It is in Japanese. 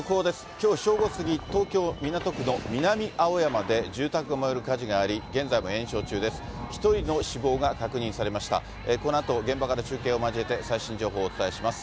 きょう正午過ぎ、東京・港区の南青山で、住宅が燃える火事があり、現在も延焼中です。